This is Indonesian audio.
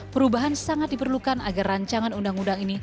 perubahan sangat diperlukan agar rancangan undang undang ini